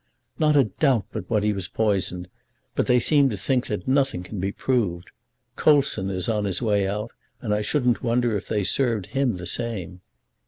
"Not a doubt but what he was poisoned; but they seem to think that nothing can be proved. Coulson is on his way out, and I shouldn't wonder if they served him the same."